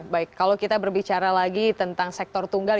baik kalau kita berbicara lagi tentang sektor tunggal